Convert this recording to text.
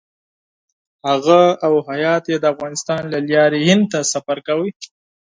هغه او هیات یې د افغانستان له لارې هند ته سفر کاوه.